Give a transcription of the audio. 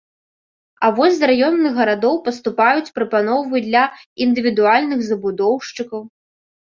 А вось з раённых гарадоў паступаюць прапановы для індывідуальных забудоўшчыкаў.